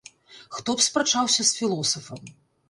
Хто б спрачаўся з філосафам!